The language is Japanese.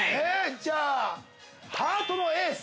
◆じゃあ、ハートのエース。